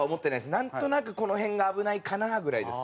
なんとなくこの辺が危ないかなぐらいです。